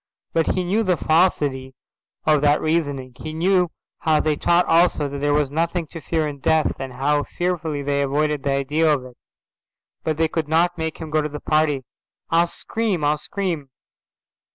But he knew the falsity of that reasoning; he knew how they taught also that there was nothing to fear in death, and how fearfully they avoided the idea of it. But they couldn't make him go to the party. "I'll scream. I'll scream."